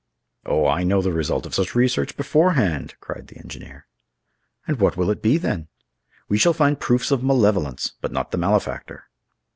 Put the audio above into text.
"Oh, I know the result of such research beforehand!" cried the engineer. "And what will it be, then?" "We shall find proofs of malevolence, but not the malefactor."